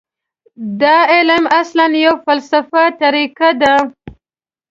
دا علم اصلاً یوه فلسفي طریقه ده.